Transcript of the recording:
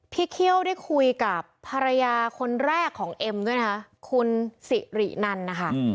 เคี่ยวได้คุยกับภรรยาคนแรกของเอ็มด้วยนะคะคุณสิรินันนะคะ